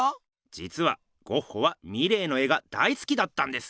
じつはゴッホはミレーの絵が大すきだったんです。